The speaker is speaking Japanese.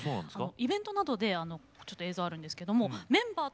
イベントなどでちょっと映像あるんですけどもメンバーと